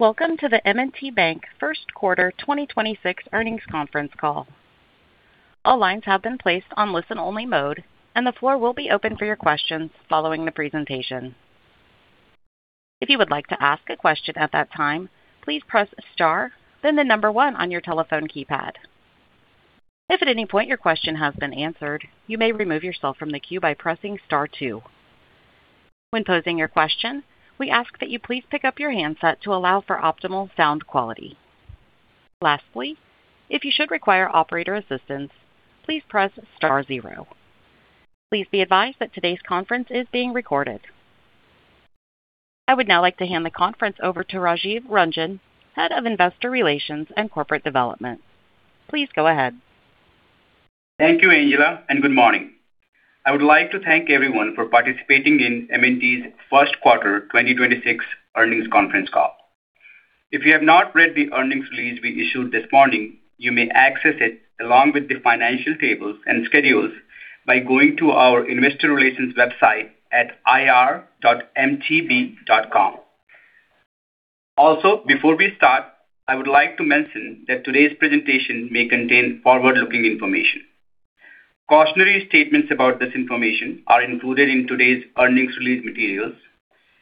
Welcome to the M&T Bank first quarter 2026 earnings conference call. All lines have been placed on listen-only mode, and the floor will be open for your questions following the presentation. If you would like to ask a question at that time, please press star, then the number one on your telephone keypad. If at any point your question has been answered, you may remove yourself from the queue by pressing star two. When posing your question, we ask that you please pick up your handset to allow for optimal sound quality. Lastly, if you should require operator assistance, please press star zero. Please be advised that today's conference is being recorded. I would now like to hand the conference over to Rajiv Ranjan, Head of Investor Relations and Corporate Development. Please go ahead. Thank you, Angela, and good morning. I would like to thank everyone for participating in M&T's first quarter 2026 earnings conference call. If you have not read the earnings release we issued this morning, you may access it along with the financial tables and schedules by going to our Investor Relations website at ir.mtb.com. Also, before we start, I would like to mention that today's presentation may contain forward-looking information. Cautionary statements about this information are included in today's earnings release materials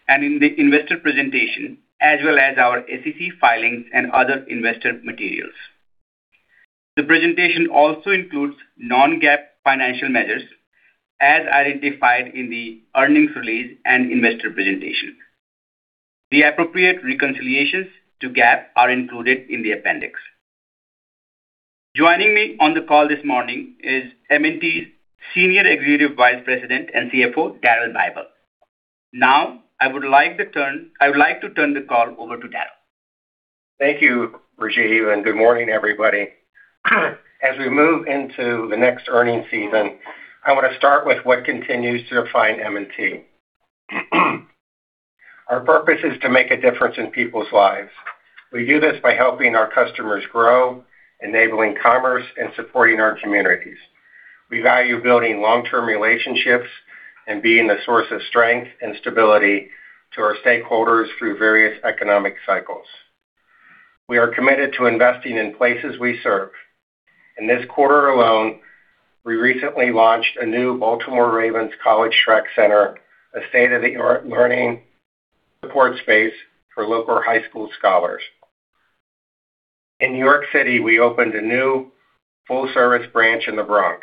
and in the investor presentation, as well as our SEC filings and other investor materials. The presentation also includes non-GAAP financial measures as identified in the earnings release and investor presentation. The appropriate reconciliations to GAAP are included in the appendix. Joining me on the call this morning is M&T's Senior Executive Vice President and CFO, Daryl Bible. Now, I would like to turn the call over to Daryl. Thank you, Rajiv, and good morning, everybody. As we move into the next earnings season, I want to start with what continues to define M&T. Our purpose is to make a difference in people's lives. We do this by helping our customers grow, enabling commerce, and supporting our communities. We value building long-term relationships and being a source of strength and stability to our stakeholders through various economic cycles. We are committed to investing in places we serve. In this quarter alone, we recently launched a new Baltimore Ravens College Track Center, a state-of-the-art learning support space for local high school scholars. In New York City, we opened a new full-service branch in the Bronx.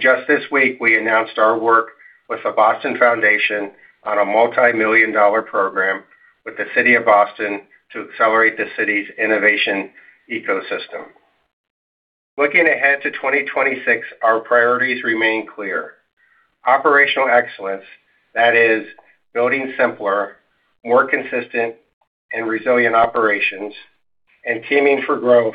Just this week, we announced our work with the Boston Foundation on a multimillion-dollar program with the city of Boston to accelerate the city's innovation ecosystem. Looking ahead to 2026, our priorities remain clear. Operational excellence that is building simpler, more consistent, and resilient operations, and Teaming for Growth,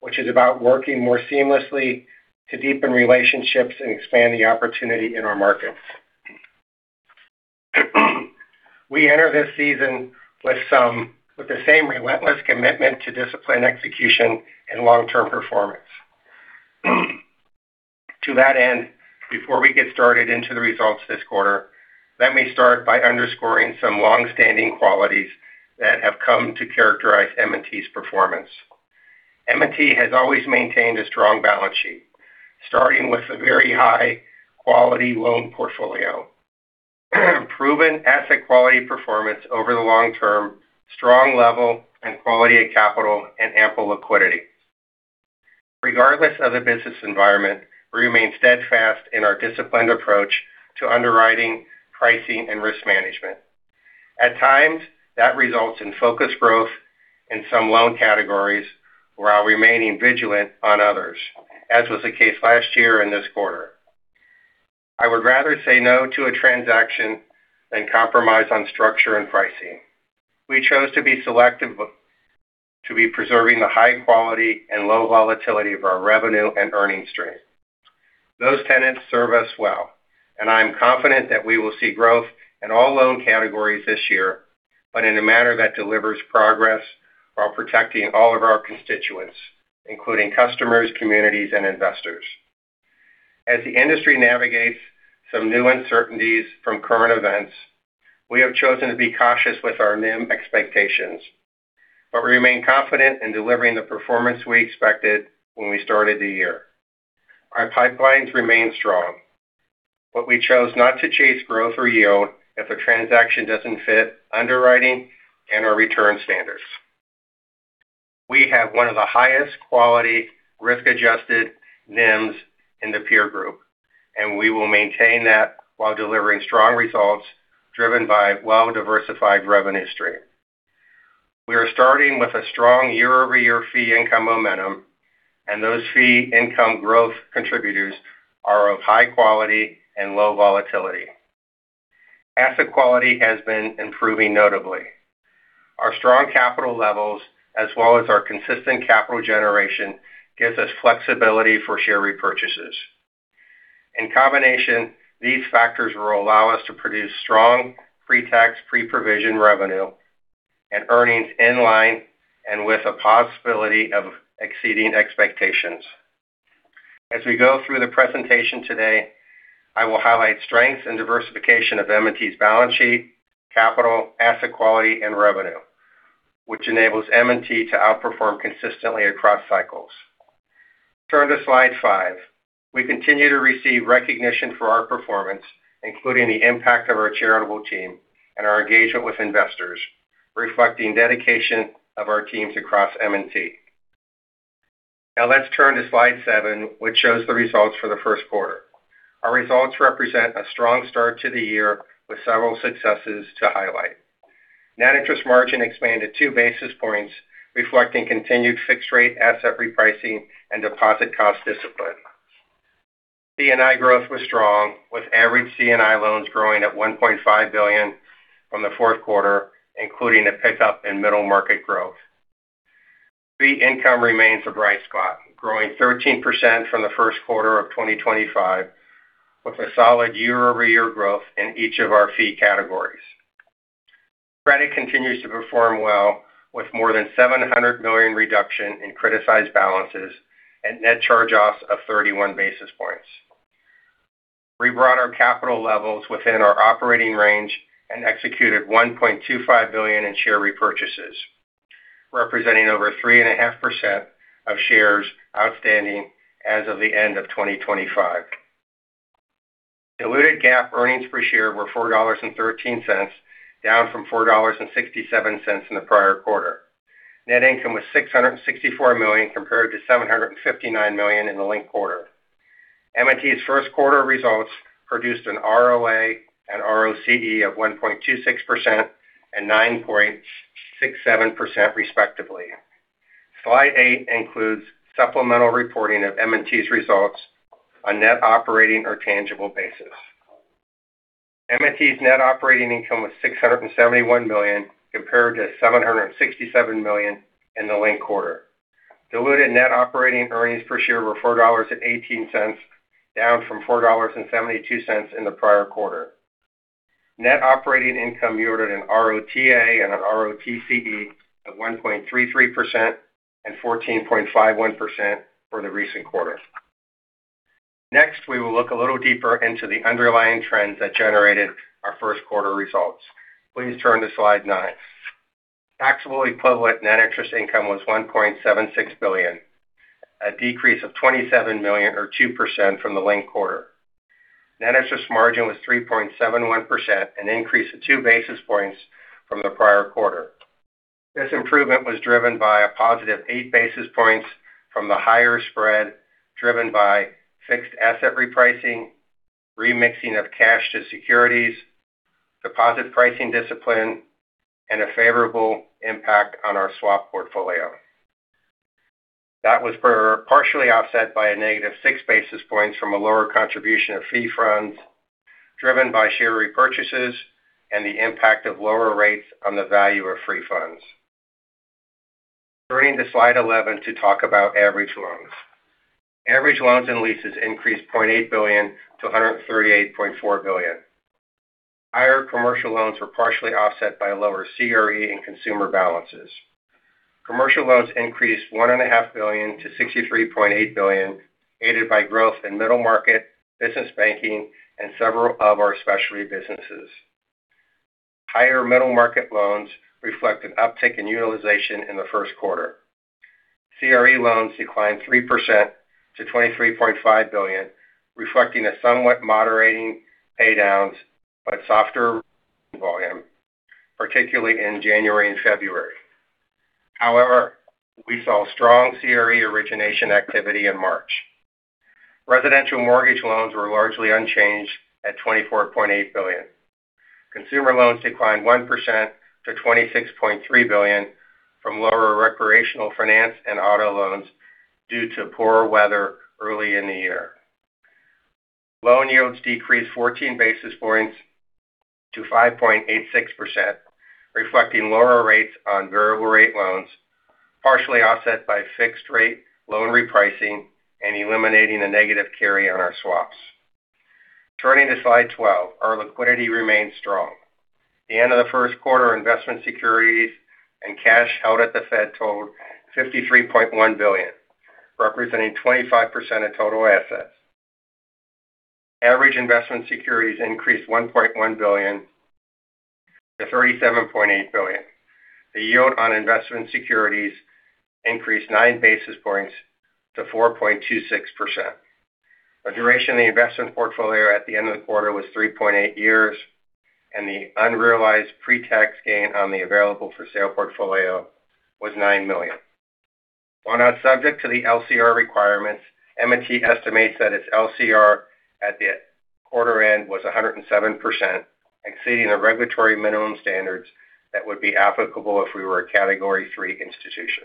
which is about working more seamlessly to deepen relationships and expand the opportunity in our markets. We enter this season with the same relentless commitment to disciplined execution and long-term performance. To that end, before we get started into the results this quarter, let me start by underscoring some longstanding qualities that have come to characterize M&T's performance. M&T has always maintained a strong balance sheet, starting with a very high-quality loan portfolio, proven asset quality performance over the long term, strong level and quality of capital, and ample liquidity. Regardless of the business environment, we remain steadfast in our disciplined approach to underwriting, pricing, and risk management. At times, that results in focused growth in some loan categories while remaining vigilant on others, as was the case last year and this quarter. I would rather say no to a transaction than compromise on structure and pricing. We chose to be selective to be preserving the high quality and low volatility of our revenue and earnings stream. Those tenets serve us well, and I am confident that we will see growth in all loan categories this year, but in a manner that delivers progress while protecting all of our constituents, including customers, communities, and investors. As the industry navigates some new uncertainties from current events, we have chosen to be cautious with our NIM expectations. We remain confident in delivering the performance we expected when we started the year. Our pipelines remain strong, but we chose not to chase growth or yield if a transaction doesn't fit underwriting and our return standards. We have one of the highest quality risk-adjusted NIMs in the peer group, and we will maintain that while delivering strong results driven by well-diversified revenue stream. We are starting with a strong year-over-year fee income momentum, and those fee income growth contributors are of high quality and low volatility. Asset quality has been improving notably. Our strong capital levels, as well as our consistent capital generation, gives us flexibility for share repurchases. In combination, these factors will allow us to produce strong pre-tax, pre-provision revenue and earnings in line and with a possibility of exceeding expectations. As we go through the presentation today, I will highlight strengths and diversification of M&T's balance sheet, capital, asset quality, and revenue, which enables M&T to outperform consistently across cycles. Turn to slide five. We continue to receive recognition for our performance, including the impact of our charitable team and our engagement with investors, reflecting dedication of our teams across M&T. Now let's turn to slide seven, which shows the results for the first quarter. Our results represent a strong start to the year with several successes to highlight. Net interest margin expanded 2 basis points, reflecting continued fixed-rate asset repricing and deposit cost discipline. C&I growth was strong, with average C&I loans growing at $1.5 billion from the fourth quarter, including a pickup in middle-market growth. Fee income remains a bright spot, growing 13% from the first quarter of 2025, with a solid year-over-year growth in each of our fee categories. Credit continues to perform well, with more than $700 million reduction in criticized balances and net charge-offs of 31 basis points. We brought our capital levels within our operating range and executed $1.25 billion in share repurchases, representing over 3.5% of shares outstanding as of the end of 2025. Diluted GAAP earnings per share were $4.13, down from $4.67 in the prior quarter. Net income was $664 million, compared to $759 million in the linked quarter. M&T's first quarter results produced an ROA and ROCE of 1.26% and 9.67% respectively. Slide eight includes supplemental reporting of M&T's results on net operating or tangible basis. M&T's net operating income was $671 million compared to $767 million in the linked quarter. Diluted net operating earnings per share were $4.18, down from $4.72 in the prior quarter. Net operating income yielded an ROTA and an ROTCE of 1.33% and 14.51% for the recent quarter. Next, we will look a little deeper into the underlying trends that generated our first quarter results. Please turn to slide nine. Taxable equivalent net interest income was $1.76 billion, a decrease of $27 million or 2% from the linked quarter. Net interest margin was 3.71%, an increase of 2 basis points from the prior quarter. This improvement was driven by a +8 basis points from the higher spread, driven by fixed asset repricing, remixing of cash to securities, deposit pricing discipline, and a favorable impact on our swap portfolio. That was partially offset by a -6 basis points from a lower contribution of free funds, driven by share repurchases and the impact of lower rates on the value of free funds. Turning to Slide 11 to talk about average loans, average loans and leases increased $0.8 billion to $138.4 billion. Higher commercial loans were partially offset by lower CRE and consumer balances. Commercial loans increased one and a half billion to $63.8 billion, aided by growth in Middle Market, Business Banking, and several of our specialty businesses. Higher Middle Market loans reflect an uptick in utilization in the first quarter. CRE loans declined 3% to $23.5 billion, reflecting a somewhat moderating paydowns but softer volume, particularly in January and February. However, we saw strong CRE origination activity in March. Residential mortgage loans were largely unchanged at $24.8 billion. Consumer loans declined 1% to $26.3 billion from lower recreational finance and auto loans due to poor weather early in the year. Loan yields decreased 14 basis points to 5.86%, reflecting lower rates on variable rate loans, partially offset by fixed rate loan repricing and eliminating a negative carry on our swaps. Turning to slide 12. Our liquidity remains strong. The end of the first quarter investment securities and cash held at the Fed totaled $53.1 billion, representing 25% of total assets. Average investment securities increased $1.1 billion to $37.8 billion. The yield on investment securities increased 9 basis points to 4.26%. The duration of the investment portfolio at the end of the quarter was 3.8 years, and the unrealized pre-tax gain on the available-for-sale portfolio was $9 million. While not subject to the LCR requirements, M&T estimates that its LCR at the quarter end was 107%, exceeding the regulatory minimum standards that would be applicable if we were a Category III institution.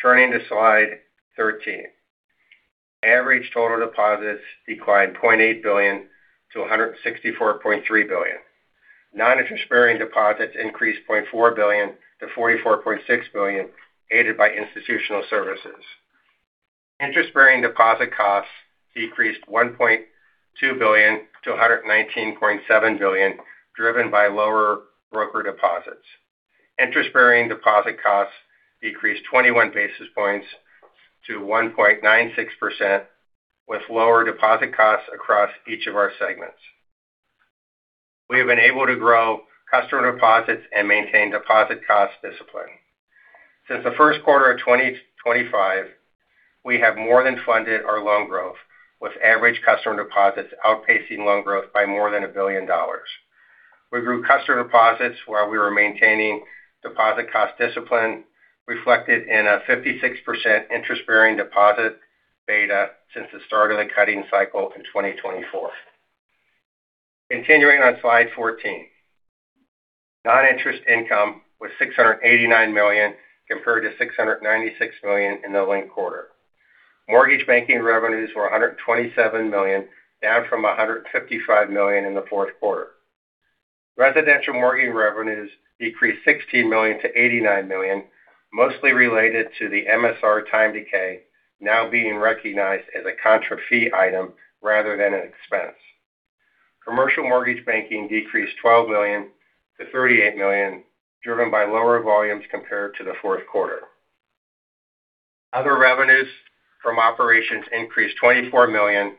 Turning to Slide 13. Average total deposits declined $0.8 billion to $164.3 billion. Non-interest-bearing deposits increased $0.4 billion to $44.6 billion, aided by Institutional Services. Interest-bearing deposits decreased $1.2 billion to $119.7 billion, driven by lower brokered deposits. Interest-bearing deposit costs decreased 21 basis points to 1.96%, with lower deposit costs across each of our segments. We have been able to grow customer deposits and maintain deposit cost discipline. Since the first quarter of 2025, we have more than funded our loan growth, with average customer deposits outpacing loan growth by more than $1 billion. We grew customer deposits while we were maintaining deposit cost discipline, reflected in a 56% interest-bearing deposit beta since the start of the cutting cycle in 2024. Continuing on slide 14. Non-interest income was $689 million, compared to $696 million in the linked quarter. Mortgage banking revenues were $127 million, down from $155 million in the fourth quarter. Residential mortgage revenues decreased $16 million to $89 million, mostly related to the MSR time decay now being recognized as a contra fee item rather than an expense. Commercial mortgage banking decreased $12 million to $38 million, driven by lower volumes compared to the fourth quarter. Other revenues from operations increased $24 million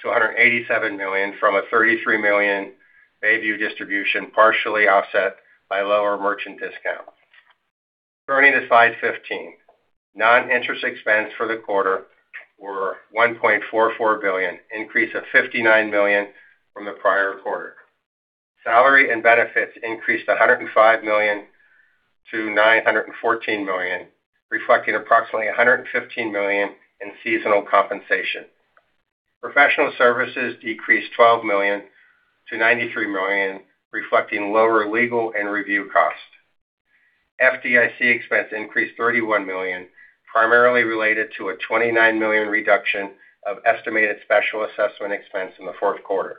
to $187 million from a $33 million Bayview distribution, partially offset by lower merchant discount. Turning to slide 15. Non-interest expense for the quarter were $1.44 billion, increase of $59 million from the prior quarter. Salary and benefits increased $105 million to $914 million, reflecting approximately $115 million in seasonal compensation. Professional services decreased $12 million to $93 million, reflecting lower legal and review cost. FDIC expense increased $31 million, primarily related to a $29 million reduction of estimated special assessment expense in the fourth quarter.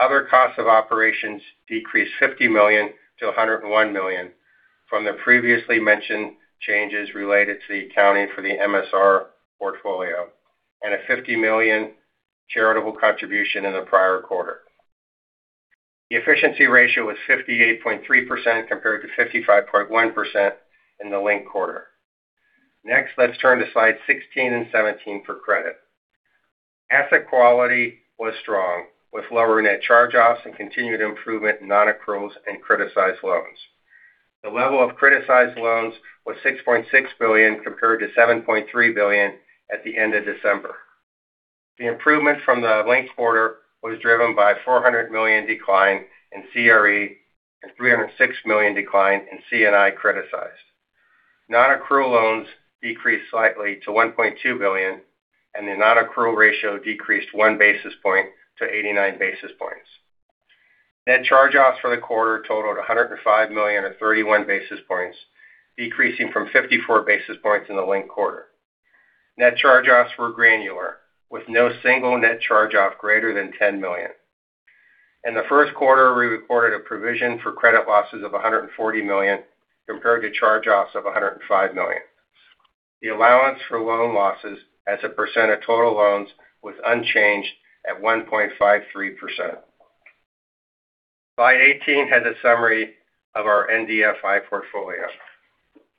Other costs of operations decreased $50 million to $101 million from the previously mentioned changes related to the accounting for the MSR portfolio and a $50 million charitable contribution in the prior quarter. The efficiency ratio was 58.3% compared to 55.1% in the linked quarter. Next, let's turn to slide 16 and 17 for credit. Asset quality was strong, with lower net charge-offs and continued improvement in non-accruals and criticized loans. The level of criticized loans was $6.6 billion, compared to $7.3 billion at the end of December. The improvement from the linked quarter was driven by a $400 million decline in CRE and $306 million decline in C&I criticized. Non-accrual loans decreased slightly to $1.2 billion, and the non-accrual ratio decreased 1 basis point to 89 basis points. Net charge-offs for the quarter totaled $105 million, or 31 basis points, decreasing from 54 basis points in the linked quarter. Net charge-offs were granular, with no single net charge-off greater than $10 million. In the first quarter, we recorded a provision for credit losses of $140 million compared to charge-offs of $105 million. The allowance for loan losses as a percent of total loans was unchanged at 1.53%. Slide 18 has a summary of our NBFI portfolio.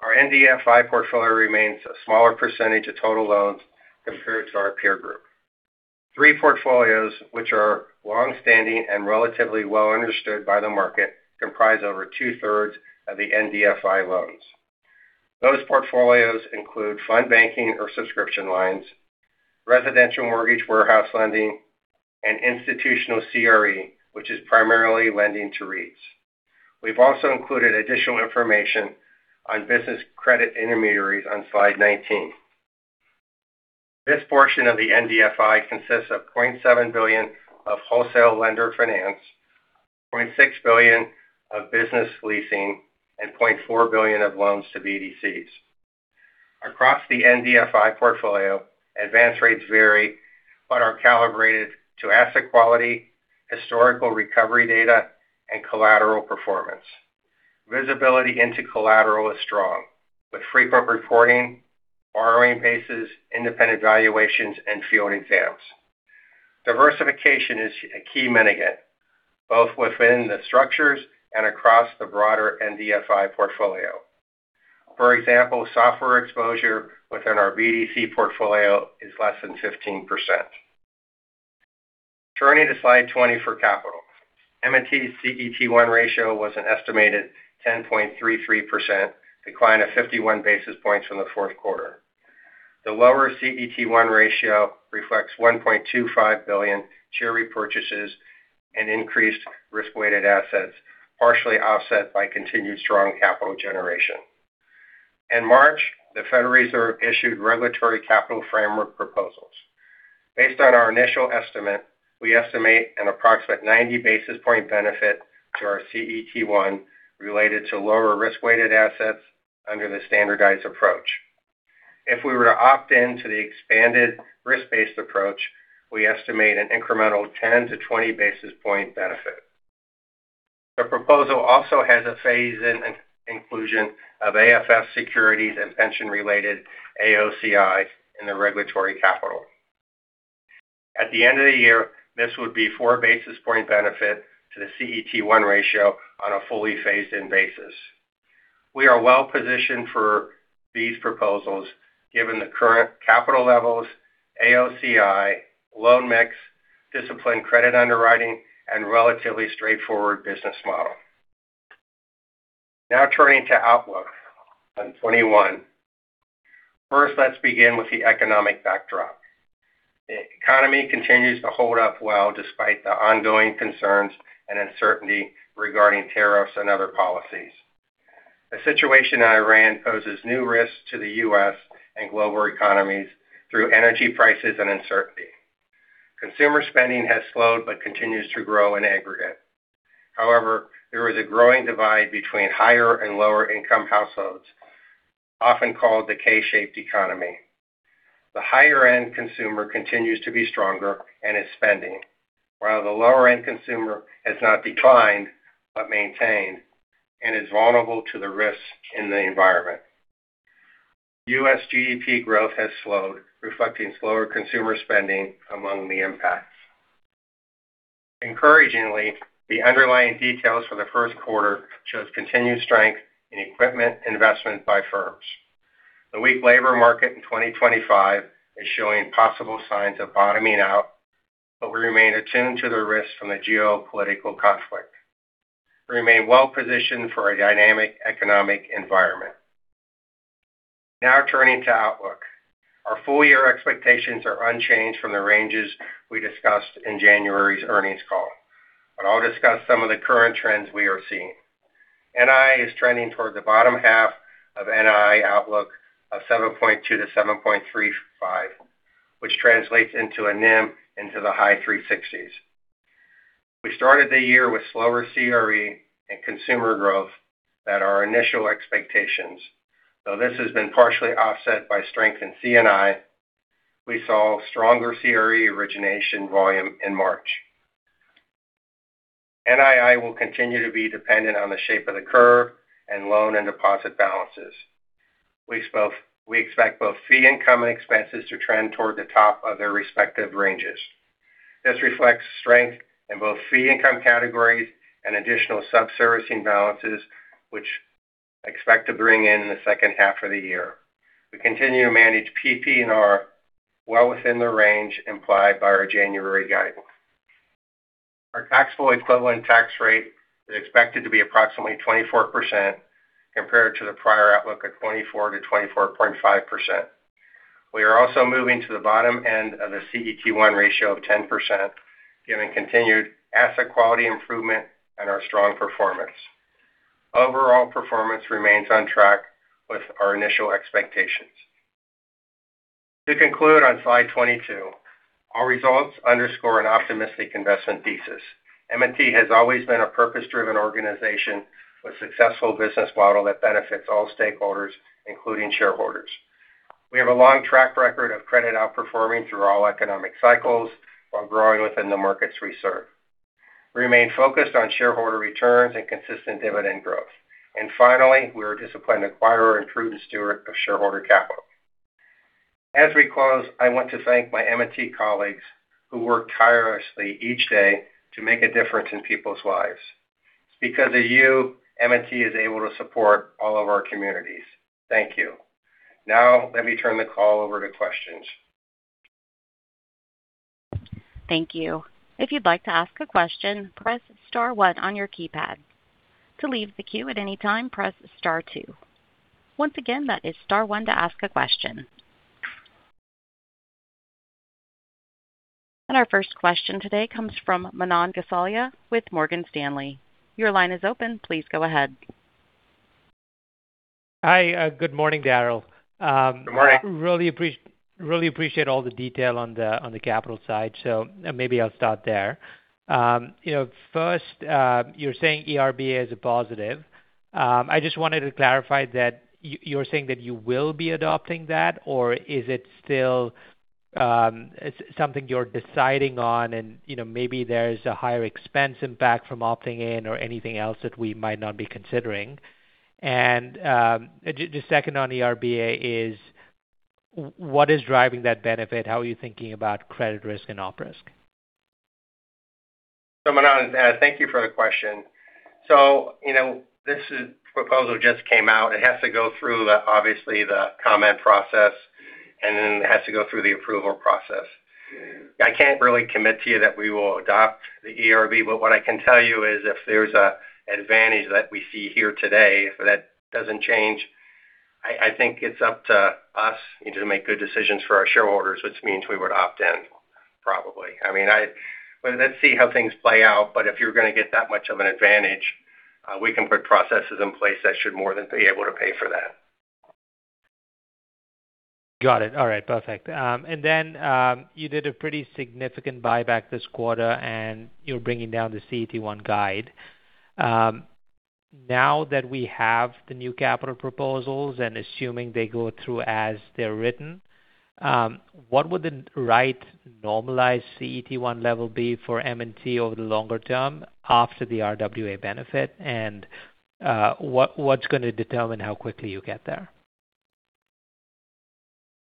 Our NBFI portfolio remains a smaller percentage of total loans compared to our peer group. Three portfolios, which are longstanding and relatively well understood by the market, comprise over 2/3 of the NBFI loans. Those portfolios include fund banking or subscription lines, residential mortgage warehouse lending, and institutional CRE, which is primarily lending to REITs. We've also included additional information on business credit intermediaries on Slide 19. This portion of the NBFI consists of $0.7 billion of wholesale lender finance, $0.6 billion of business leasing, and $0.4 billion of loans to BDCs. Across the NBFI portfolio, advance rates vary but are calibrated to asset quality, historical recovery data, and collateral performance. Visibility into collateral is strong, with frequent reporting, borrowing bases, independent valuations, and field exams. Diversification is a key mitigant, both within the structures and across the broader NBFI portfolio. For example, software exposure within our BDC portfolio is less than 15%. Turning to slide 20 for capital. M&T's CET1 ratio was an estimated 10.33%, decline of 51 basis points from the fourth quarter. The lower CET1 ratio reflects $1.25 billion share repurchases and increased risk-weighted assets, partially offset by continued strong capital generation. In March, the Federal Reserve issued regulatory capital framework proposals. Based on our initial estimate, we estimate an approximate 90 basis point benefit to our CET1 related to lower risk-weighted assets under the standardized approach. If we were to opt in to the expanded risk-based approach, we estimate an incremental 10 basis point-20 basis point benefit. The proposal also has a phase-in inclusion of AFS securities and pension-related AOCI in the regulatory capital. At the end of the year, this would be four basis point benefit to the CET1 ratio on a fully phased-in basis. We are well-positioned for these proposals given the current capital levels, AOCI, loan mix, disciplined credit underwriting, and relatively straightforward business model. Now turning to outlook on 2021. First, let's begin with the economic backdrop. The economy continues to hold up well despite the ongoing concerns and uncertainty regarding tariffs and other policies. The situation in Iran poses new risks to the U.S. and global economies through energy prices and uncertainty. Consumer spending has slowed but continues to grow in aggregate. However, there is a growing divide between higher and lower income households, often called the K-shaped economy. The higher-end consumer continues to be stronger and is spending, while the lower-end consumer has not declined but maintained and is vulnerable to the risks in the environment. U.S. GDP growth has slowed, reflecting slower consumer spending among the impacts. Encouragingly, the underlying details for the first quarter shows continued strength in equipment investment by firms. The weak labor market in 2025 is showing possible signs of bottoming out, but we remain attuned to the risks from the geopolitical conflict. We remain well-positioned for a dynamic economic environment. Now turning to outlook. Our full year expectations are unchanged from the ranges we discussed in January's earnings call, but I'll discuss some of the current trends we are seeing. NI is trending toward the bottom half of NI outlook of 7.2 to 7.35, which translates into a NIM into the high 360s. We started the year with slower CRE and consumer growth than our initial expectations, though this has been partially offset by strength in C&I. We saw stronger CRE origination volume in March. NII will continue to be dependent on the shape of the curve and loan and deposit balances. We expect both fee income and expenses to trend toward the top of their respective ranges. This reflects strength in both fee income categories and additional sub-servicing balances, which expect to bring in the second half of the year. We continue to manage PPNR well within the range implied by our January guidance. Our taxable equivalent tax rate is expected to be approximately 24% compared to the prior outlook of 24%-24.5%. We are also moving to the bottom end of the CET1 ratio of 10%, given continued asset quality improvement and our strong performance. Overall performance remains on track with our initial expectations. To conclude on slide 22, our results underscore an optimistic investment thesis. M&T has always been a purpose-driven organization with successful business model that benefits all stakeholders, including shareholders. We have a long track record of credit outperforming through all economic cycles while growing within the markets we serve. We remain focused on shareholder returns and consistent dividend growth. Finally, we're a disciplined acquirer and prudent steward of shareholder capital. As we close, I want to thank my M&T colleagues who work tirelessly each day to make a difference in people's lives. Because of you, M&T is able to support all of our communities. Thank you. Now, let me turn the call over to questions. Thank you. If you'd like to ask a question, press star one on your keypad. To leave the queue at any time, press star two. Once again, that is star one to ask a question. Our first question today comes from Manan Gosalia with Morgan Stanley. Your line is open. Please go ahead. Hi. Good morning, Daryl. Good morning. I really appreciate all the detail on the capital side. Maybe I'll start there. First, you're saying ERBA is a positive. I just wanted to clarify that you're saying that you will be adopting that, or is it still something you're deciding on and maybe there's a higher expense impact from opting in or anything else that we might not be considering? Just second on ERBA is what is driving that benefit? How are you thinking about credit risk and op risk? Manan, thank you for the question. This proposal just came out. It has to go through, obviously, the comment process, and then it has to go through the approval process. I can't really commit to you that we will adopt the ERBA. What I can tell you is if there's an advantage that we see here today, if that doesn't change, I think it's up to us to make good decisions for our shareholders, which means we would opt in probably. I mean, let's see how things play out. If you're going to get that much of an advantage, we can put processes in place that should more than be able to pay for that. Got it. All right, perfect. You did a pretty significant buyback this quarter, and you're bringing down the CET1 guide. Now that we have the new capital proposals and assuming they go through as they're written, what would the right normalized CET1 level be for M&T over the longer term after the RWA benefit? What's going to determine how quickly you get there?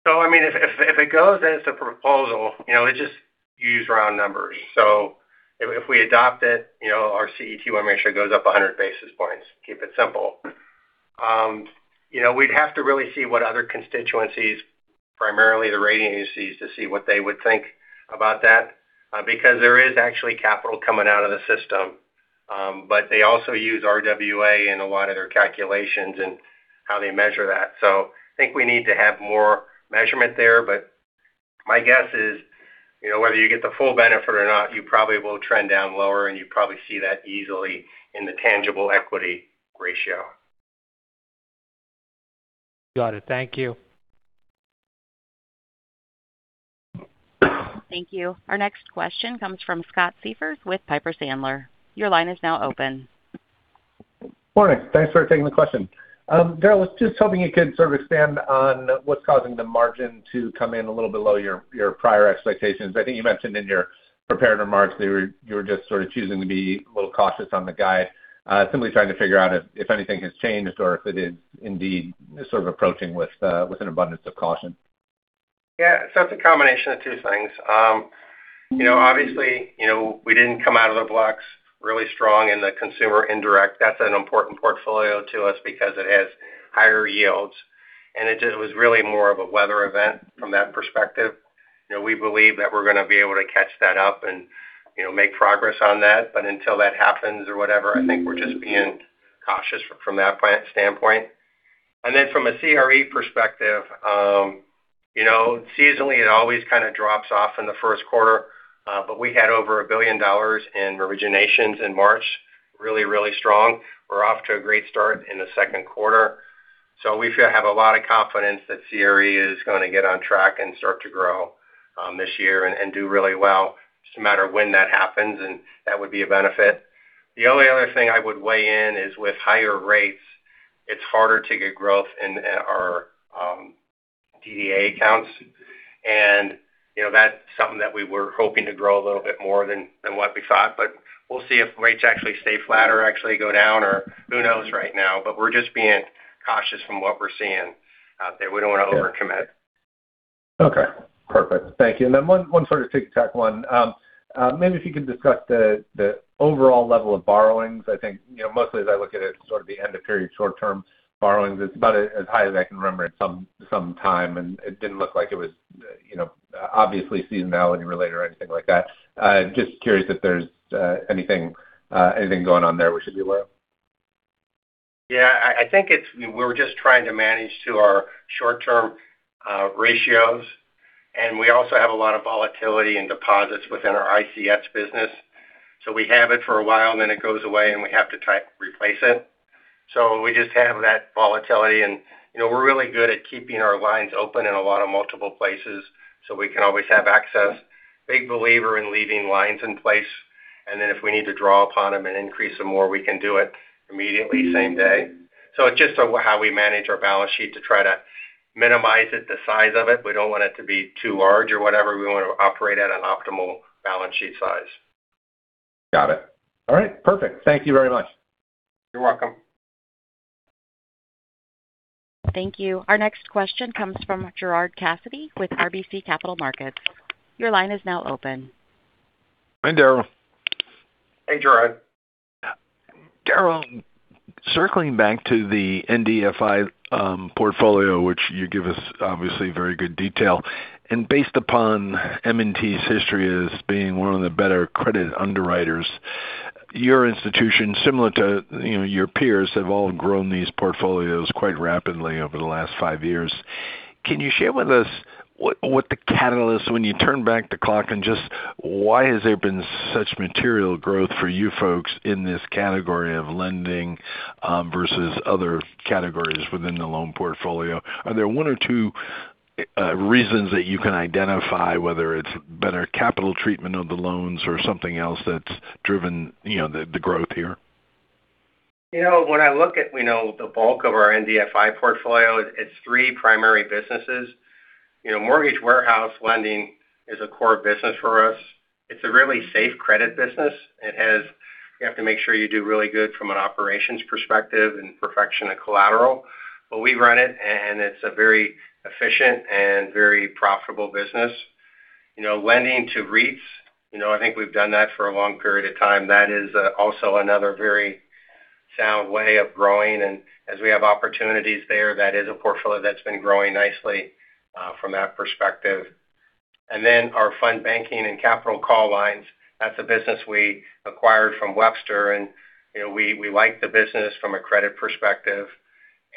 If it goes as the proposal, you use round numbers. If we adopt it, our CET1 measure goes up 100 basis points. Keep it simple. We'd have to really see what other constituencies, primarily the rating agencies, to see what they would think about that because there is actually capital coming out of the system. They also use RWA in a lot of their calculations and how they measure that. I think we need to have more measurement there. My guess is, whether you get the full benefit or not, you probably will trend down lower and you probably see that easily in the tangible equity ratio. Got it. Thank you. Thank you. Our next question comes from Scott Siefers with Piper Sandler. Your line is now open. Morning. Thanks for taking the question. Daryl, I was just hoping you could sort of expand on what's causing the margin to come in a little below your prior expectations. I think you mentioned in your prepared remarks that you were just sort of choosing to be a little cautious on the guide, simply trying to figure out if anything has changed or if it is indeed sort of approaching with an abundance of caution. Yeah. It's a combination of two things. Obviously, we didn't come out of the blocks really strong in the consumer indirect. That's an important portfolio to us because it has higher yields and it just was really more of a weather event from that perspective. We believe that we're going to be able to catch that up and make progress on that, but until that happens or whatever, I think we're just being cautious from that standpoint. From a CRE perspective, seasonally, it always kind of drops off in the first quarter. We had over $1 billion in originations in March, really, really strong. We're off to a great start in the second quarter. We have a lot of confidence that CRE is going to get on track and start to grow this year and do really well. Just a matter of when that happens, and that would be a benefit. The only other thing I would weigh in is, with higher rates, it's harder to get growth in our DDA accounts. That's something that we were hoping to grow a little bit more than what we thought. We'll see if rates actually stay flat or actually go down, or who knows right now. We're just being cautious from what we're seeing out there. We don't want to overcommit. Okay, perfect. Thank you. One sort of tick-tack one, maybe if you could discuss the overall level of borrowings. I think mostly as I look at it, sort of the end-of-period short-term borrowings, it's about as high as I can remember in some time, and it didn't look like it was obviously seasonality-related or anything like that. Just curious if there's anything going on there we should be aware of. Yeah, I think we're just trying to manage to our short-term ratios, and we also have a lot of volatility in deposits within our ICS business. We have it for a while, then it goes away, and we have to try to replace it. We just have that volatility and we're really good at keeping our lines open in a lot of multiple places so we can always have access. Big believer in leaving lines in place, and then if we need to draw upon them and increase them more, we can do it immediately, same day. It's just how we manage our balance sheet to try to minimize the size of it. We don't want it to be too large or whatever. We want to operate at an optimal balance sheet size. Got it. All right, perfect. Thank you very much. You're welcome. Thank you. Our next question comes from Gerard Cassidy with RBC Capital Markets. Your line is now open. Hi, Daryl. Hey, Gerard. Daryl, circling back to the NBFI portfolio, which you give us obviously very good detail. Based upon M&T's history as being one of the better credit underwriters, your institution, similar to your peers, have all grown these portfolios quite rapidly over the last five years. Can you share with us what the catalyst, when you turn back the clock, and just why has there been such material growth for you folks in this category of lending versus other categories within the loan portfolio? Are there one or two reasons that you can identify whether it's better capital treatment of the loans or something else that's driven the growth here? When I look at the bulk of our NBFI portfolio, it's three primary businesses. Mortgage warehouse lending is a core business for us. It's a really safe credit business. You have to make sure you do really good from an operations perspective and perfection of collateral. We run it and it's a very efficient and very profitable business. Lending to REITs, I think we've done that for a long period of time. That is also another very sound way of growing. As we have opportunities there, that is a portfolio that's been growing nicely from that perspective. Our fund banking and capital call lines, that's a business we acquired from Webster. We like the business from a credit perspective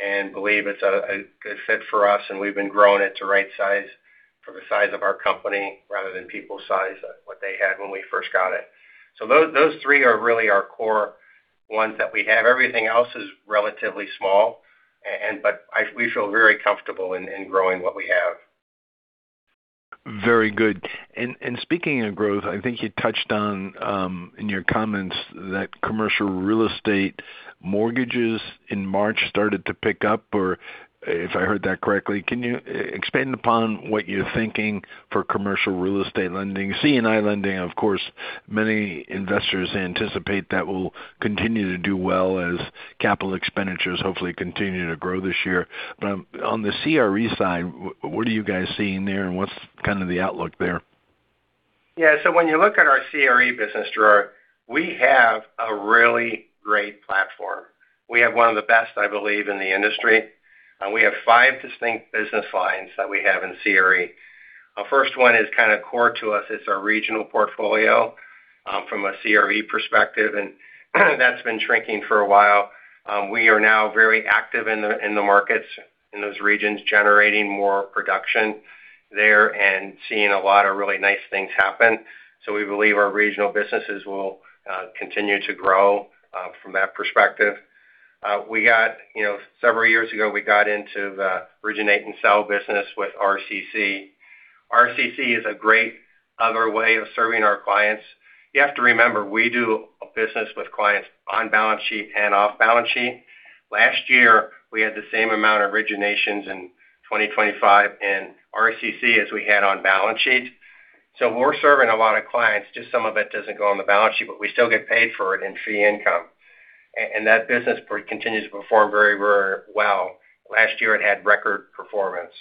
and believe it's a good fit for us. We've been growing it to right size for the size of our company rather than People's United size, what they had when we first got it. Those three are really our core ones that we have. Everything else is relatively small, but we feel very comfortable in growing what we have. Very good. Speaking of growth, I think you touched on, in your comments, that commercial real estate mortgages in March started to pick up, or if I heard that correctly. Can you expand upon what you're thinking for commercial real estate lending? C&I lending, of course, many investors anticipate that will continue to do well as capital expenditures hopefully continue to grow this year. On the CRE side, what are you guys seeing there and what's kind of the outlook there? Yeah. When you look at our CRE business, Gerard, we have a really great platform. We have one of the best, I believe, in the industry. We have five distinct business lines that we have in CRE. Our first one is kind of core to us. It's our regional portfolio, from a CRE perspective, and that's been shrinking for a while. We are now very active in the markets, in those regions, generating more production there and seeing a lot of really nice things happen. We believe our regional businesses will continue to grow from that perspective. Several years ago, we got into the originate-and-sell business with RCC. RCC is a great other way of serving our clients. You have to remember, we do a business with clients on balance sheet and off balance sheet. Last year, we had the same amount of originations in 2025 in RCC as we had on balance sheet. We're serving a lot of clients, just some of it doesn't go on the balance sheet, but we still get paid for it in fee income. That business continues to perform very well. Last year, it had record performance.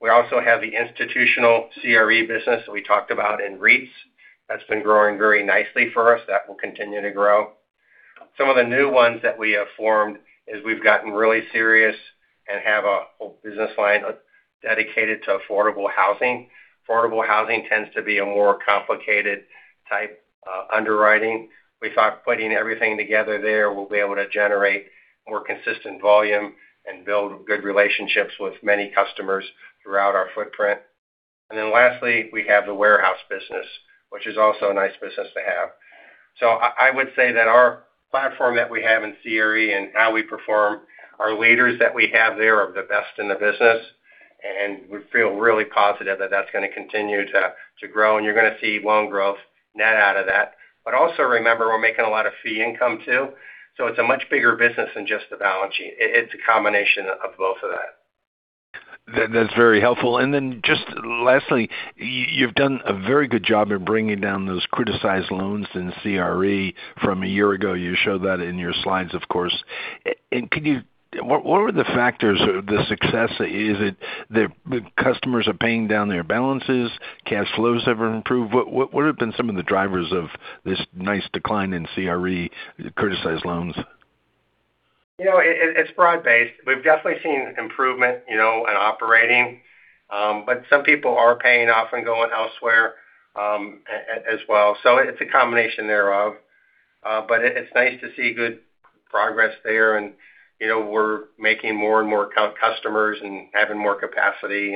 We also have the institutional CRE business that we talked about in REITs. That's been growing very nicely for us. That will continue to grow. Some of the new ones that we have formed is we've gotten really serious and have a whole business line dedicated to affordable housing. Affordable housing tends to be a more complicated type underwriting. We thought putting everything together there, we'll be able to generate more consistent volume and build good relationships with many customers throughout our footprint. Lastly, we have the warehouse business, which is also a nice business to have. I would say that our platform that we have in CRE and how we perform, our leaders that we have there are the best in the business, and we feel really positive that that's going to continue to grow, and you're going to see loan growth net out of that. Also remember, we're making a lot of fee income, too. It's a much bigger business than just the balance sheet. It's a combination of both of that. That's very helpful. Just lastly, you've done a very good job in bringing down those criticized loans in CRE from a year ago. You showed that in your slides, of course. What were the factors of the success? Is it the customers are paying down their balances? Cash flows have improved? What have been some of the drivers of this nice decline in CRE criticized loans? It's broad-based. We've definitely seen improvement in operating. Some people are paying off and going elsewhere as well. It's a combination thereof. It's nice to see good progress there, and we're making more and more customers and having more capacity.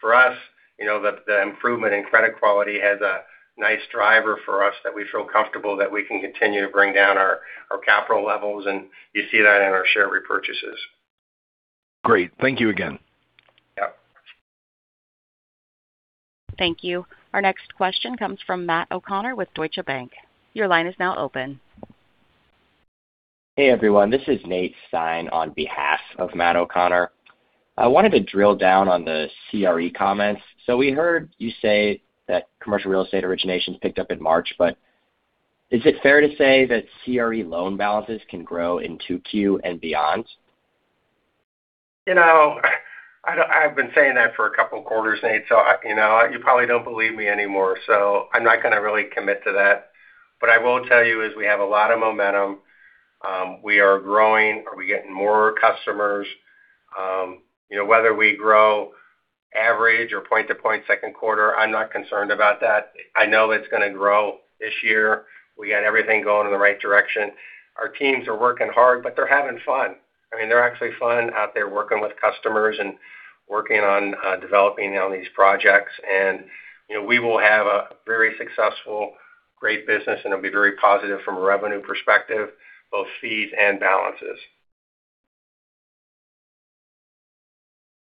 For us, the improvement in credit quality has a nice driver for us that we feel comfortable that we can continue to bring down our capital levels, and you see that in our share repurchases. Great. Thank you again. Yep. Thank you. Our next question comes from Matt O'Connor with Deutsche Bank. Your line is now open. Hey, everyone, this is Nate Stein on behalf of Matt O'Connor. I wanted to drill down on the CRE comments. We heard you say that commercial real estate originations picked up in March, but is it fair to say that CRE loan balances can grow in 2Q and beyond? I've been saying that for a couple of quarters, Nate. You probably don't believe me anymore. I'm not going to really commit to that. What I will tell you is we have a lot of momentum. We are growing. We're getting more customers. Whether we grow average or point-to-point second quarter, I'm not concerned about that. I know it's going to grow this year. We got everything going in the right direction. Our teams are working hard, but they're having fun. I mean, they're actually fun out there working with customers and working on developing on these projects. We will have a very successful, great business, and it'll be very positive from a revenue perspective, both fees and balances.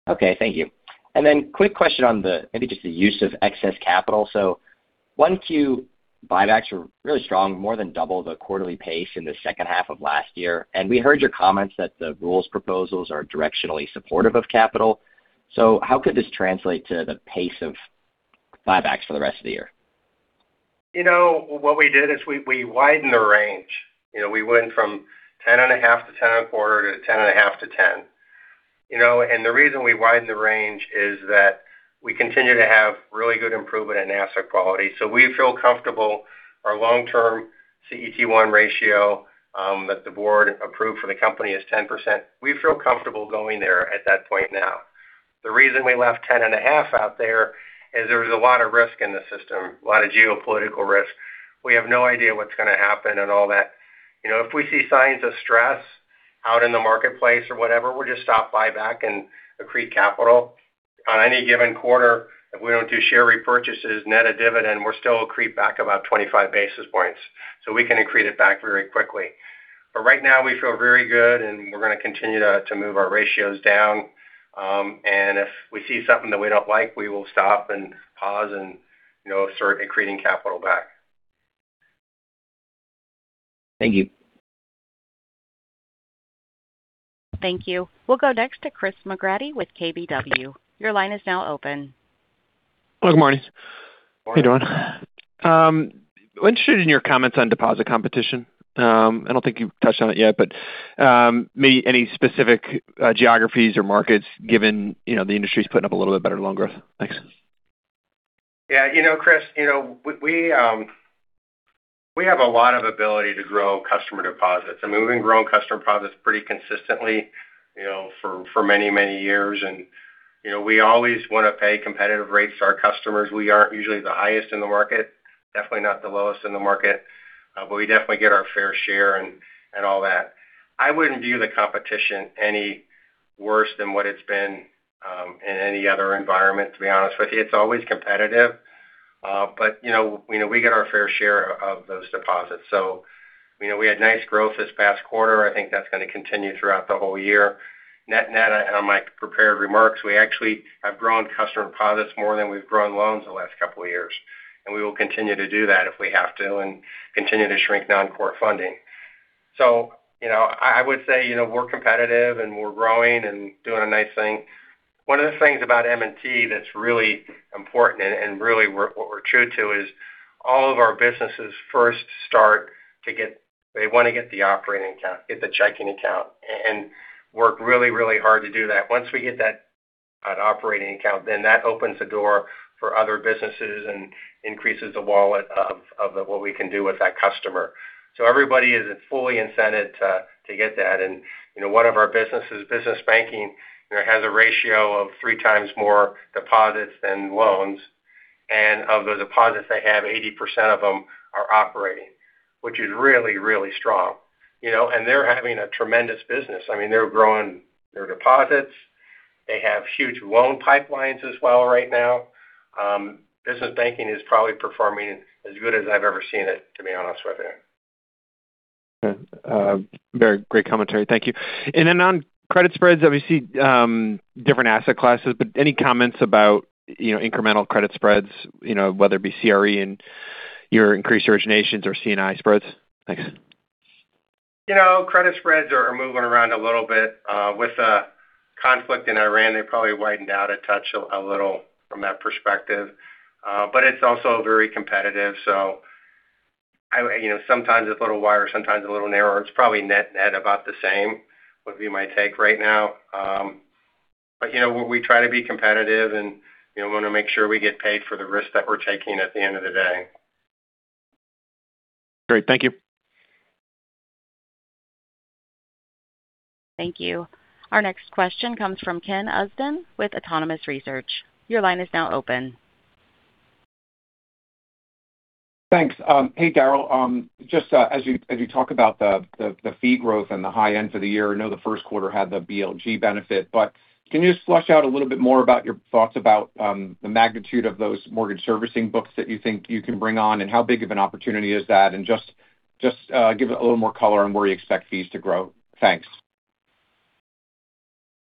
Okay. Thank you. Quick question on maybe just the use of excess capital. 1Q buybacks were really strong, more than double the quarterly pace in the second half of last year. We heard your comments that the rules proposals are directionally supportive of capital. How could this translate to the pace of buybacks for the rest of the year? What we did is we widened the range. We went from 10.5 to 10.25 to 10.5 to 10. And the reason we widened the range is that we continue to have really good improvement in asset quality. So we feel comfortable our long-term CET1 ratio, that the board approved for the company is 10%. We feel comfortable going there at that point now. The reason we left 10.5 out there is there was a lot of risk in the system, a lot of geopolitical risk. We have no idea what's going to happen and all that. If we see signs of stress out in the marketplace or whatever, we'll just stop buyback and accrete capital. On any given quarter, if we don't do share repurchases net of dividend, we'll still accrete back about 25 basis points. We can accrete it back very quickly. Right now, we feel very good, and we're going to continue to move our ratios down. If we see something that we don't like, we will stop and pause and start accreting capital back. Thank you. Thank you. We'll go next to Chris McGratty with KBW. Your line is now open. Good morning. Morning. How you doing? I'm interested in your comments on deposit competition. I don't think you've touched on it yet, but maybe any specific geographies or markets given the industry's putting up a little bit better loan growth? Thanks. Yeah. Chris, we have a lot of ability to grow customer deposits. We've been growing customer deposits pretty consistently for many, many years. We always want to pay competitive rates to our customers. We aren't usually the highest in the market, definitely not the lowest in the market. We definitely get our fair share and all that. I wouldn't view the competition any worse than what it's been in any other environment, to be honest with you. It's always competitive. We get our fair share of those deposits. We had nice growth this past quarter. I think that's going to continue throughout the whole year. Net, in my prepared remarks, we actually have grown customer deposits more than we've grown loans the last couple of years. We will continue to do that if we have to and continue to shrink non-core funding. I would say, we're competitive and we're growing and doing a nice thing. One of the things about M&T that's really important and really what we're true to is all of our businesses want to get the operating account, get the checking account, and work really, really hard to do that. Once we get that operating account, then that opens the door for other businesses and increases the wallet of what we can do with that customer. Everybody is fully incented to get that. One of our businesses, Business Banking, has a ratio of three times more deposits than loans. Of the deposits they have, 80% of them are operating, which is really, really strong. They're having a tremendous business. They're growing their deposits. They have huge loan pipelines as well right now. Business Banking is probably performing as good as I've ever seen it, to be honest with you. Okay. Great commentary. Thank you. On credit spreads, obviously, different asset classes, but any comments about incremental credit spreads, whether it be CRE and your increased originations or C&I spreads? Thanks. Credit spreads are moving around a little bit. With the conflict in Iran, they probably widened out a touch a little from that perspective. It's also very competitive. Sometimes it's a little wider, sometimes a little narrower. It's probably net about the same would be my take right now. We try to be competitive and want to make sure we get paid for the risk that we're taking at the end of the day. Great. Thank you. Thank you. Our next question comes from Ken Usdin with Autonomous Research. Your line is now open. Thanks. Hey, Daryl. Just as you talk about the fee growth and the high end of the year, I know the first quarter had the BLG benefit, but can you just flesh out a little bit more about your thoughts about the magnitude of those mortgage servicing books that you think you can bring on? How big of an opportunity is that? Just give it a little more color on where you expect fees to grow. Thanks.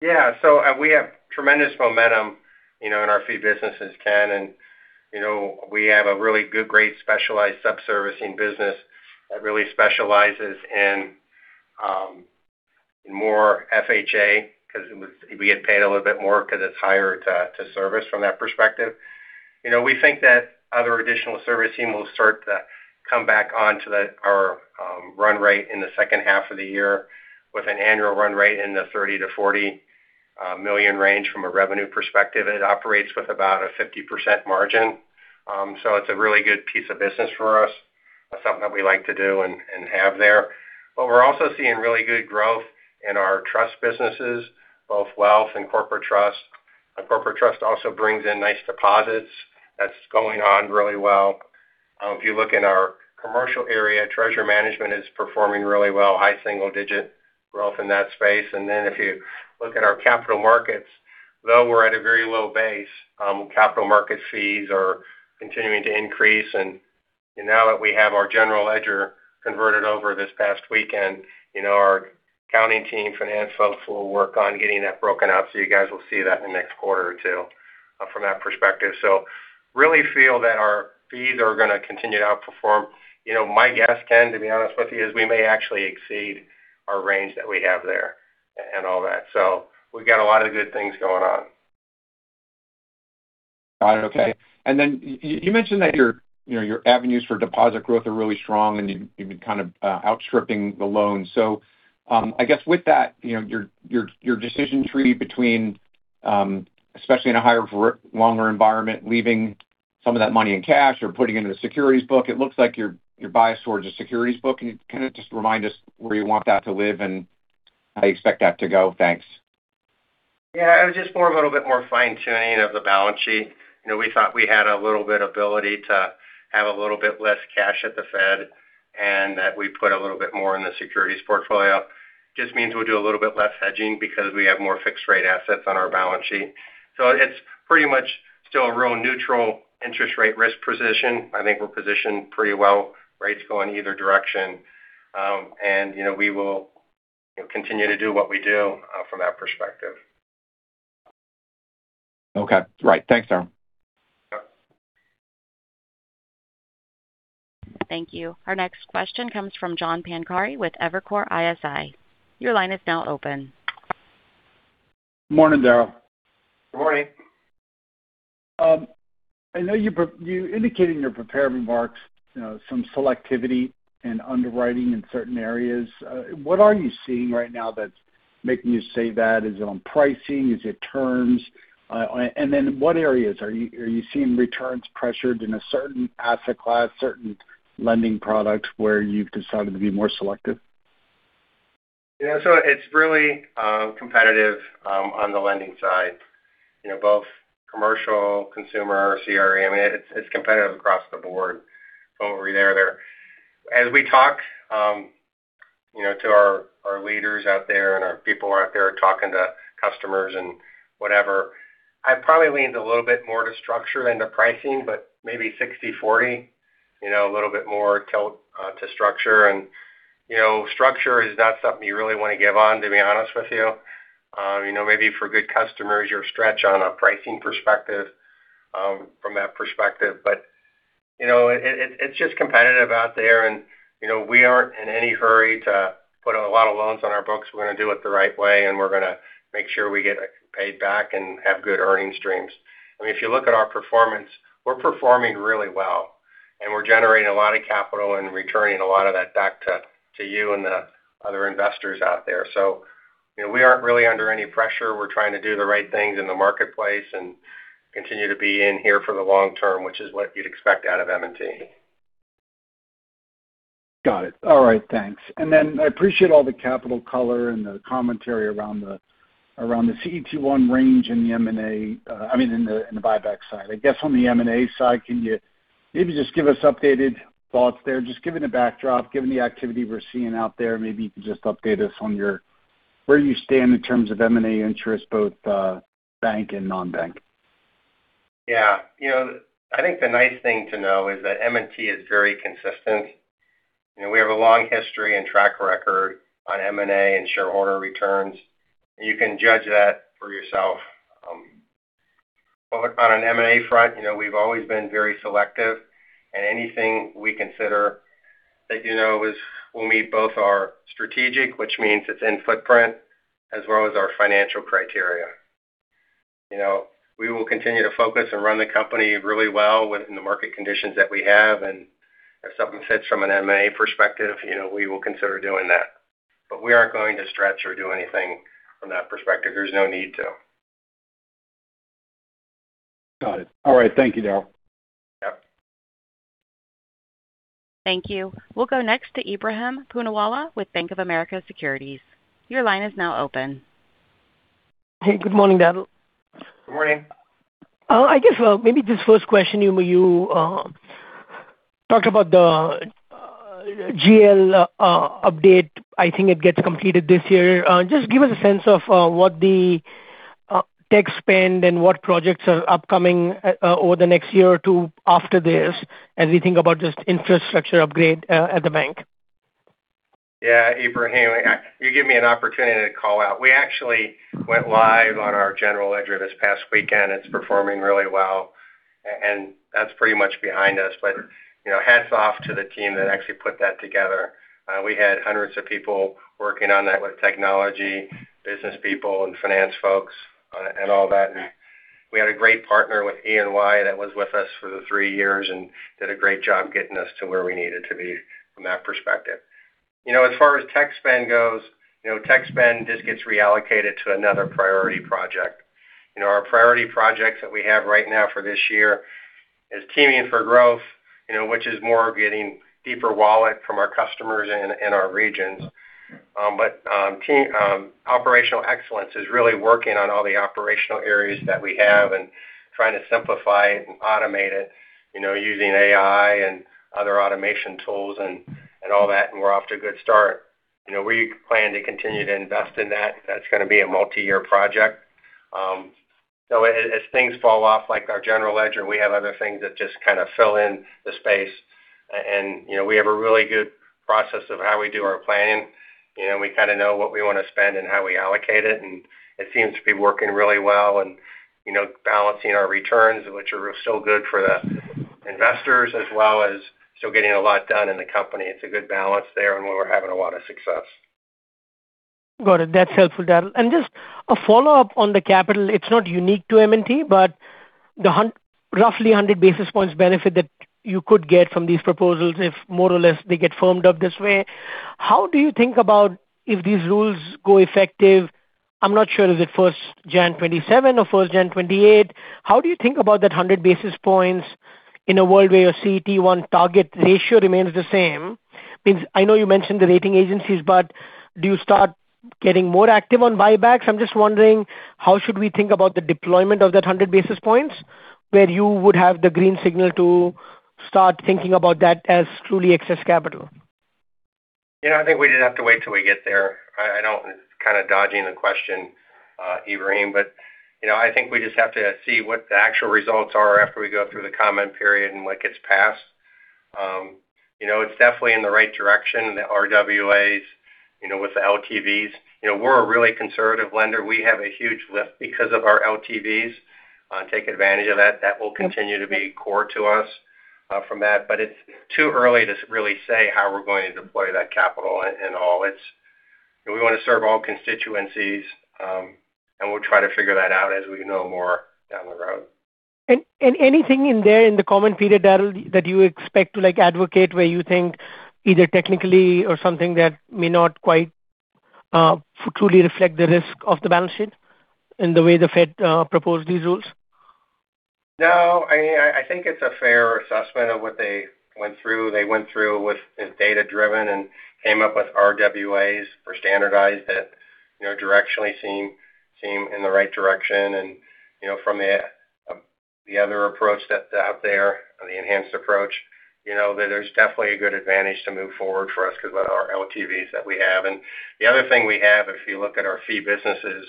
Yeah. We have tremendous momentum in our fee businesses, Ken, and we have a really good, great specialized sub-servicing business that really specializes in more FHA because we get paid a little bit more because it's higher to service from that perspective. We think that other additional servicing will start to come back onto our run rate in the second half of the year with an annual run rate in the $30 million-$40 million range from a revenue perspective. It operates with about a 50% margin. It's a really good piece of business for us, something that we like to do and have there. We're also seeing really good growth in our trust businesses, both wealth and corporate trust. Corporate trust also brings in nice deposits. That's going on really well. If you look in our commercial area, treasury management is performing really well, high single-digit growth in that space. If you look at our capital markets, though we're at a very low base, capital market fees are continuing to increase. Now that we have our general ledger converted over this past weekend, our accounting team, finance folks will work on getting that broken out. You guys will see that in the next quarter or two from that perspective. I really feel that our fees are going to continue to outperform. My guess, Ken, to be honest with you, is we may actually exceed our range that we have there and all that. We've got a lot of good things going on. Got it. Okay. You mentioned that your avenues for deposit growth are really strong and you've been kind of outstripping the loans. I guess with that, your decision tree between, especially in a higher for longer environment, leaving some of that money in cash or putting it into the securities book, it looks like you're biased towards a securities book. Can you kind of just remind us where you want that to live and how you expect that to go? Thanks. Yeah. It was just more of a little bit more fine-tuning of the balance sheet. We thought we had a little bit ability to have a little bit less cash at the Fed and that we put a little bit more in the securities portfolio. Just means we'll do a little bit less hedging because we have more fixed rate assets on our balance sheet. It's pretty much still a real neutral interest rate risk position. I think we're positioned pretty well. Rates go in either direction. We will continue to do what we do from that perspective. Okay, right. Thanks, Daryl. Yep. Thank you. Our next question comes from John Pancari with Evercore ISI. Your line is now open. Morning, Daryl. Morning. I know you indicated in your prepared remarks some selectivity in underwriting in certain areas. What are you seeing right now that's making you say that? Is it on pricing? Is it terms? What areas are you seeing returns pressured in a certain asset class, certain lending product where you've decided to be more selective? Yeah. It's really competitive on the lending side, both commercial, consumer, CRE. It's competitive across the board over there. As we talk to our leaders out there and our people are out there talking to customers and whatever, I probably leaned a little bit more to structure than to pricing, but maybe 60/40, a little bit more tilt to structure. Structure is not something you really want to give on, to be honest with you. Maybe for good customers, you'll stretch on a pricing perspective from that perspective. It's just competitive out there, and we aren't in any hurry to put a lot of loans on our books. We're going to do it the right way, and we're going to make sure we get paid back and have good earnings streams. I mean, if you look at our performance, we're performing really well, and we're generating a lot of capital and returning a lot of that back to you and the other investors out there. We aren't really under any pressure. We're trying to do the right things in the marketplace and continue to be in here for the long term, which is what you'd expect out of M&T. Got it. All right, thanks. I appreciate all the capital color and the commentary around the CET1 range in the buyback side. I guess on the M&A side, can you maybe just give us updated thoughts there? Just given the backdrop, given the activity we're seeing out there, maybe you can just update us on where you stand in terms of M&A interest, both bank and non-bank. Yeah. I think the nice thing to know is that M&T is very consistent. We have a long history and track record on M&A and shareholder returns. You can judge that for yourself. On an M&A front, we've always been very selective. Anything we consider that you know will meet both our strategic, which means it's in footprint, as well as our financial criteria. We will continue to focus and run the company really well within the market conditions that we have. If something fits from an M&A perspective, we will consider doing that. We aren't going to stretch or do anything from that perspective. There's no need to. Got it. All right. Thank you, Daryl. Yep. Thank you. We'll go next to Ebrahim Poonawala with Bank of America Securities. Your line is now open. Hey, good morning, Daryl. Good morning. I guess maybe this first question, you talked about the GL update. I think it gets completed this year. Just give us a sense of what the tech spend and what projects are upcoming over the next year or two after this as we think about just infrastructure upgrade at the bank. Yeah. Ebrahim, you give me an opportunity to call out. We actually went live on our general ledger this past weekend. It's performing really well, and that's pretty much behind us. But hats off to the team that actually put that together. We had hundreds of people working on that with technology, business people, and finance folks and all that. And we had a great partner with EY that was with us for the three years and did a great job getting us to where we needed to be from that perspective. As far as tech spend goes, tech spend just gets reallocated to another priority project. Our priority projects that we have right now for this year is Teaming for Growth, which is more getting deeper wallet from our customers and our regions. Operational excellence is really working on all the operational areas that we have and trying to simplify and automate it using AI and other automation tools and all that, and we're off to a good start. We plan to continue to invest in that. That's going to be a multi-year project. As things fall off, like our general ledger, we have other things that just kind of fill in the space. We have a really good process of how we do our planning. We kind of know what we want to spend and how we allocate it, and it seems to be working really well and balancing our returns, which are still good for the investors, as well as still getting a lot done in the company. It's a good balance there, and we're having a lot of success. Got it. That's helpful, Daryl. Just a follow-up on the capital. It's not unique to M&T, but the roughly 100 basis points benefit that you could get from these proposals if more or less they get firmed up this way, how do you think about if these rules go effective, I'm not sure, is it first January 2027 or first January 2028? How do you think about that 100 basis points in a world where your CET1 target ratio remains the same? Because I know you mentioned the rating agencies, but do you start getting more active on buybacks? I'm just wondering how should we think about the deployment of that 100 basis points where you would have the green signal to start thinking about that as truly excess capital? I think we just have to wait till we get there. I know it's kind of dodging the question, Ebrahim, but I think we just have to see what the actual results are after we go through the comment period and what gets passed. It's definitely in the right direction, the RWAs with the LTVs. We're a really conservative lender. We have a huge lift because of our LTVs. Take advantage of that. That will continue to be core to us from that. It's too early to really say how we're going to deploy that capital and all. We want to serve all constituencies, and we'll try to figure that out as we know more down the road. Anything in there in the comment period, Daryl, that you expect to advocate where you think either technically or something that may not quite truly reflect the risk of the balance sheet in the way the Fed proposed these rules? No, I think it's a fair assessment of what they went through. They went through with data-driven and came up with RWAs or standardized that directionally seem in the right direction. From the other approach that's out there, the enhanced approach, there's definitely a good advantage to move forward for us because of our LTVs that we have. The other thing we have, if you look at our fee businesses,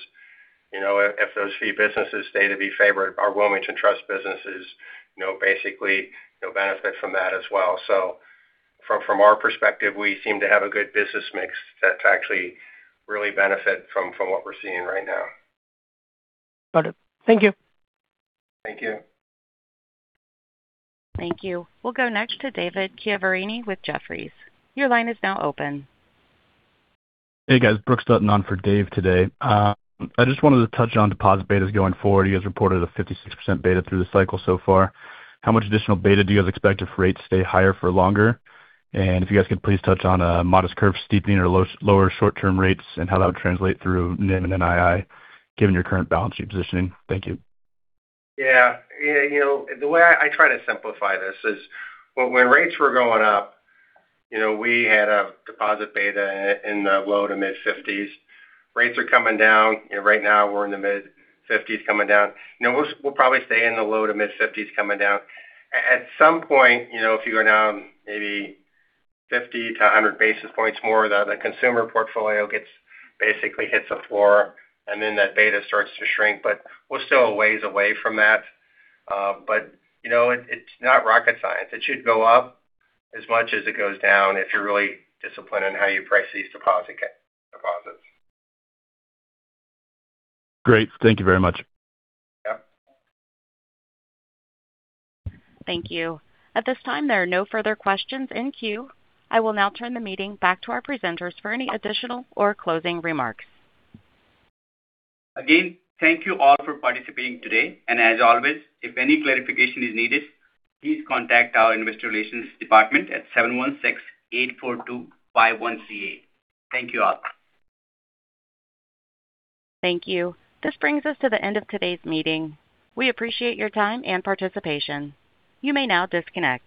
if those fee businesses stay to be favored, our Wilmington Trust businesses basically benefit from that as well. From our perspective, we seem to have a good business mix to actually really benefit from what we're seeing right now. Got it. Thank you. Thank you. Thank you. We'll go next to David Chiaverini with Jefferies. Your line is now open. Hey, guys. Brooks stepping on for Dave today. I just wanted to touch on deposit betas going forward. You guys reported a 56% beta through the cycle so far. How much additional beta do you guys expect if rates stay higher for longer? If you guys could please touch on a modest curve steepening or lower short-term rates and how that would translate through NIM and NII, given your current balance sheet positioning. Thank you. Yeah. The way I try to simplify this is when rates were going up, we had a deposit beta in the low- to mid-50s. Rates are coming down. Right now, we're in the mid-50s coming down. We'll probably stay in the low- to mid-50s coming down. At some point, if you go down maybe 50-100 basis points more, the consumer portfolio basically hits a floor, and then that beta starts to shrink. We're still a ways away from that. It's not rocket science. It should go up as much as it goes down if you're really disciplined in how you price these deposits. Great. Thank you very much. Yeah. Thank you. At this time, there are no further questions in queue. I will now turn the meeting back to our presenters for any additional or closing remarks. Again, thank you all for participating today. As always, if any clarification is needed, please contact our Investor Relations department at 716-842-5138. Thank you all. Thank you. This brings us to the end of today's meeting. We appreciate your time and participation. You may now disconnect.